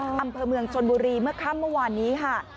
อำเภอเมืองชนบุรีเมื่อค่ำเมื่อวานนี้ค่ะ